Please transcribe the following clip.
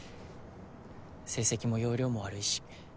成績も要領も悪いし。